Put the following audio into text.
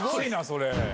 それ。